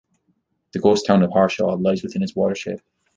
The ghost town of Harshaw lies within its watershed.